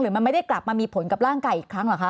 มันไม่ได้กลับมามีผลกับร่างกายอีกครั้งเหรอคะ